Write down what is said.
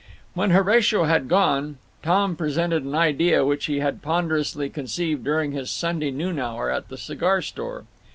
When Horatio had gone Tom presented an idea which he had ponderously conceived during his Sunday noon hour at the cigar store.